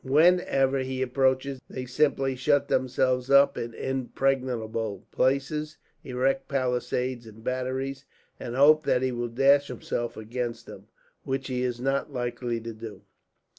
Whenever he approaches they simply shut themselves up in impregnable places, erect palisades and batteries, and hope that he will dash himself against them; which he is not likely to do."